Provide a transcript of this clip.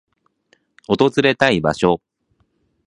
訪れたい場所